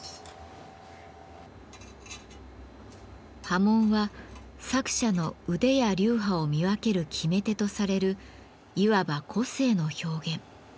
刃文は作者の腕や流派を見分ける決め手とされるいわば個性の表現。